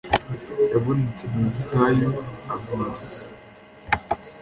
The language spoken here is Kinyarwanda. yabonetse mu butayu abwiriza